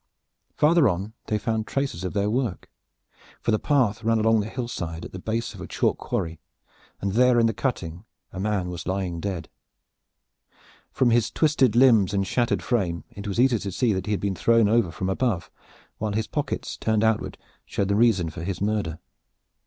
Farther on they found traces of their work, for the path ran along the hillside at the base of a chalk quarry, and there in the cutting a man was lying dead. From his twisted limbs and shattered frame it was easy to see that he had been thrown over from above, while his pockets turned outward showed the reason for his murder.